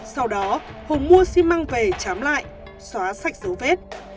sau đó hùng mua xi măng về chám lại xóa sạch dấu vết